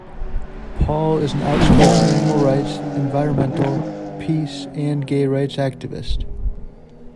Paul is an outspoken animal rights, environmental, peace and gay rights activist.